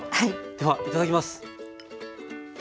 ではいただきます。